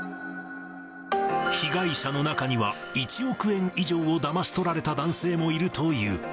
被害者の中には、１億円以上をだまし取られた男性もいるという。